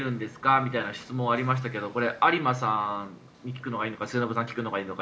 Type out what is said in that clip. みたいな質問がありましたが有馬さんに聞くのがいいのか末延さんに聞くのがいいのか。